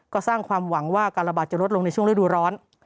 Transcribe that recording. ก็สร้างความหวังว่าการระบาดจะลดลงในช่วงฤดูร้อน